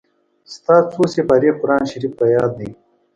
ستا څو سېپارې قرآن شريف په ياد دئ.